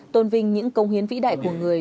tôn vinh những công hiến vĩ đại của người